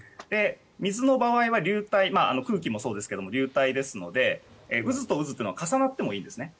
水の場合は流体空気もそうですけど流体ですので渦と渦は重なってもいいですね